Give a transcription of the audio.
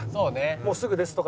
「もうすぐです」とか。